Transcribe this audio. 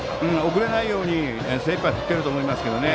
遅れないように精いっぱい振っていると思いますけどね。